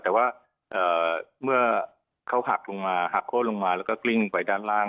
แต่ว่าเมื่อเขาหักลงมาหักโค้นลงมาแล้วก็กลิ้งไปด้านล่าง